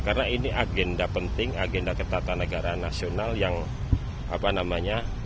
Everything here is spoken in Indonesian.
karena ini agenda penting agenda ketatanegaraan nasional yang apa namanya